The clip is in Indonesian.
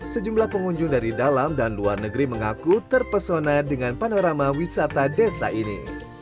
sejumlah pengunjung dari dalam dan luar negeri mengaku terpesona dengan panorama wisata desa ini